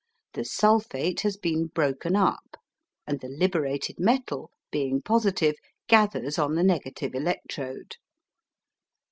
The sulphate has been broken up, and the liberated metal, being positive, gathers on the negative electrode.